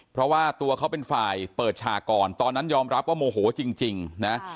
เพราะว่าตัวเขาเป็นฝ่ายเปิดฉากก่อนตอนนั้นยอมรับว่าโมโหจริงนะ